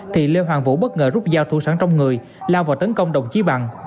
thì lê hoàng vũ bất ngờ rút dao thu sản trong người lao vào tấn công đồng chí bằng